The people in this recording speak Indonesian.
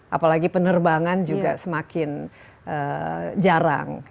apalagi penerbangan juga semakin jarang